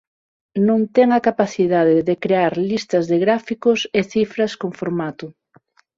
Non ten a capacidade de crear listas de gráficos e cifras con formato.